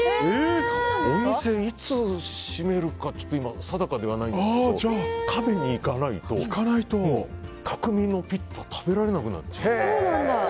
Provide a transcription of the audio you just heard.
お店、いつ閉めるか定かではないんですけど食べに行かないと匠のピッツァがもう食べられなくなる。